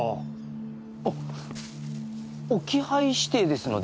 おっ置き配指定ですので。